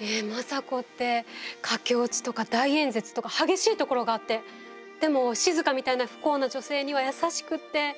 え政子って駆け落ちとか大演説とか激しいところがあってでも静みたいな不幸な女性には優しくって。